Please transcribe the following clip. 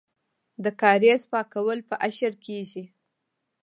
د کاریز پاکول په اشر کیږي.